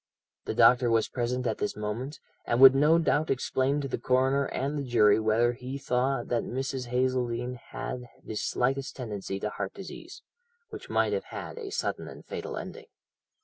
The doctor was present at this moment, and would no doubt explain to the coroner and the jury whether he thought that Mrs. Hazeldene had the slightest tendency to heart disease, which might have had a sudden and fatal ending.